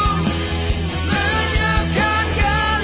untuk penuh papan